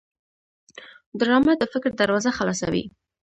ډرامه د فکر دروازه خلاصوي